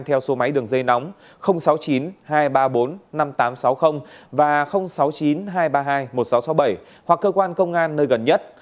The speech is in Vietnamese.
theo số máy đường dây nóng sáu mươi chín hai trăm ba mươi bốn năm nghìn tám trăm sáu mươi và sáu mươi chín hai trăm ba mươi hai một nghìn sáu trăm sáu mươi bảy hoặc cơ quan công an nơi gần nhất